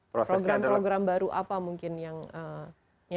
program program baru apa mungkin yang diperlukan